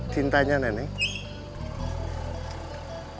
cinta nya nenek